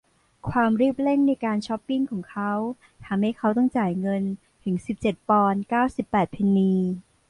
ความรีบเร่งในการช็อปปิ้งของเขาทำให้เขาต้องจ่ายเงินถึงสิบเจ็ดปอนด์เก้าสิบแปดเพนนี